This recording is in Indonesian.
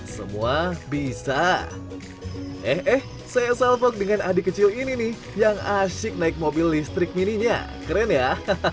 semua bisa eh saya salvok dengan adik kecil ini nih yang asyik naik mobil listrik mininya keren ya